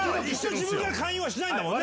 自分から勧誘しないんだよね。